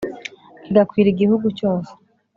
kigakwira igihugu cyose